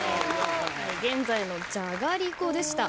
現在のじゃがりこでした。